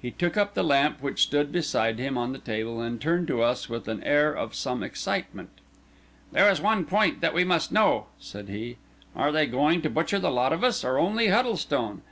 He took up the lamp which stood beside him on the table, and turned to us with an air of some excitement. "There is one point that we must know," said he. "Are they going to butcher the lot of us, or only Huddlestone?